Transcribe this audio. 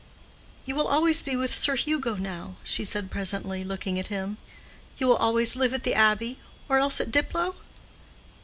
"You will always be with Sir Hugo now!" she said presently, looking at him. "You will always live at the Abbey—or else at Diplow?"